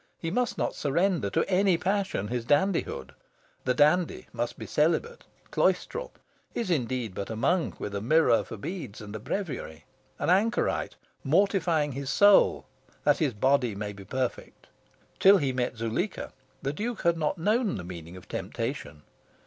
He must not surrender to any passion his dandihood. The dandy must be celibate, cloistral; is, indeed, but a monk with a mirror for beads and breviary an anchorite, mortifying his soul that his body may be perfect. Till he met Zuleika, the Duke had not known the meaning of temptation.